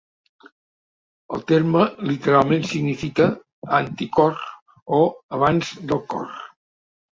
El terme literalment significa "anti-cor" o "abans del cor".